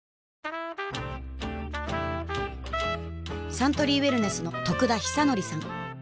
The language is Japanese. サントリーウエルネスの得田久敬さん